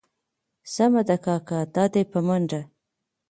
سمه ده کاکا دا دي په منډه.